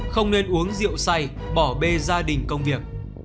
không nên uống rượu say bỏ bê gia đình công việc